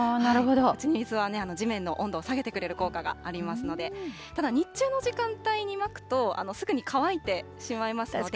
打ち水は、地面の温度を下げてくれる効果がありますので、ただ、日中の時間帯にまくと、すぐに乾いてしまいますよね。